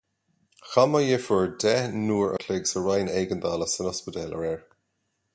Chaith mo dheirfiúr deich n-uair an chloig sa roinn éigeandála san ospidéal aréir